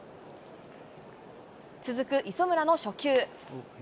続く磯村の初球。